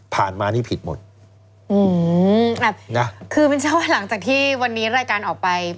ผ่านมานี่ผิดหมดอืมคือมันใช่ว่าหลังจากที่วันนี้รายการออกไป